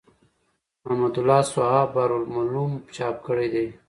حمدالله صحاف بحر الملوم چاپ کړی دﺉ.